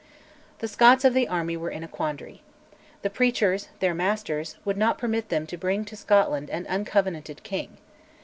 The Scots of the army were in a quandary. The preachers, their masters, would not permit them to bring to Scotland an uncovenanted king.